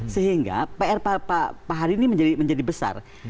sehingga pr pak hari ini menjadi besar